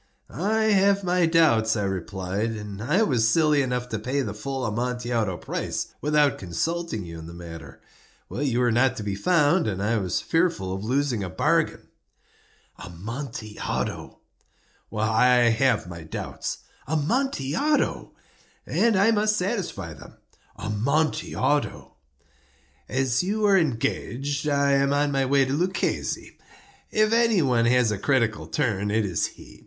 "I have my doubts," I replied; "and I was silly enough to pay the full Amontillado price without consulting you in the matter. You were not to be found, and I was fearful of losing a bargain." "Amontillado!" "I have my doubts." "Amontillado!" "And I must satisfy them." "Amontillado!" "As you are engaged, I am on my way to Luchesi. If any one has a critical turn, it is he.